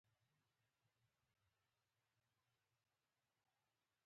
بلکې را وښیه چې کب څنګه ونیسم.